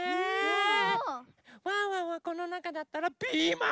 ワンワンはこのなかだったらピーマン！